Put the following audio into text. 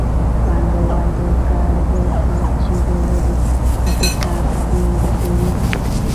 پانګوال د کارګر کار چې د ورځې اته ساعته دی اوږدوي